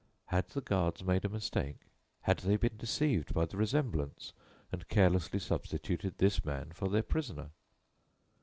Had the guards made a mistake? Had they been deceived by the resemblance and carelessly substituted this man for their prisoner?